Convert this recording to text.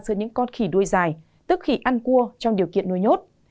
dưới những con khỉ đuôi dài tức khỉ ăn cua trong điều kiện nuôi nhốt